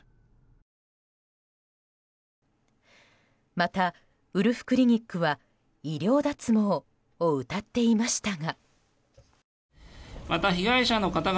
また、ウルフクリニックは医療脱毛をうたっていましたが。